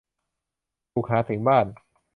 บุกหาถึงบ้าน